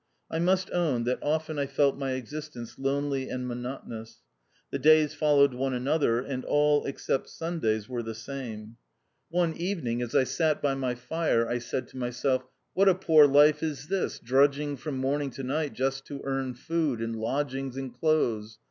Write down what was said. I must own that often I felt my existence lonely and monotonous. The days followed one another, and all, except Sundays, were the same. One even 158 THE OUTCAST. ing, as I sat by my fire, I said to myself, "What a poor life is this, drudging from morning to night just to earn food, and lodgings, and clothes